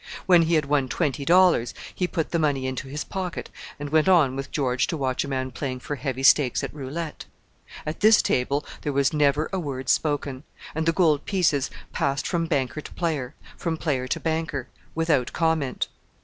When he had won twenty dollars he put the money into his pocket, and went on with George to watch a man playing for heavy stakes at roulette. At this table there was never a word spoken, and the gold pieces passed from banker to player, from player to banker, without comment.